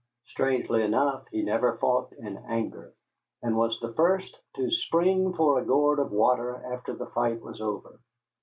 Strangely enough, he never fought in anger, and was the first to the spring for a gourd of water after the fight was over.